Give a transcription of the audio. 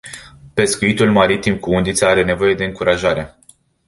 Pescuitul maritim cu undița are nevoie de încurajare.